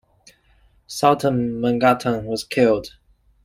Sultan Mangatung was killed.